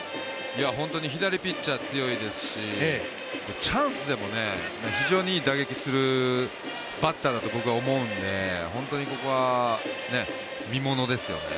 本当に左ピッチャー強いですし、チャンスでも非常にいい打撃するバッターだと僕は思うので本当にここは見ものですよね。